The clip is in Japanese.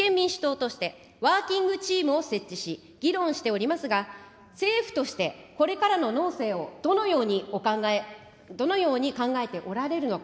立憲民主党として、ワーキングチームを設置し、議論しておりますが、政府として、これからの農政をどのようにお考え、どのように考えておられるのか。